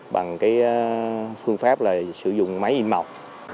bằng cái phương pháp là sử dụng máy in mọc